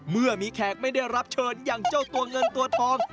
เมื่อมีแขกไม่ได้รับเชิญอย่างเจ้าตัวเงินตัวทอง